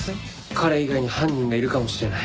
彼以外に犯人がいるかもしれない。